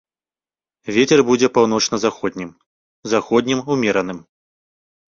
Вецер будзе паўночна-заходнім, заходнім ўмераным.